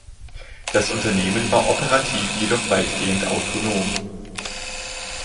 Das Unternehmen war operativ jedoch weitgehend autonom.